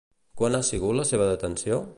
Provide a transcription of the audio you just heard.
Quan ha sigut la seva detenció?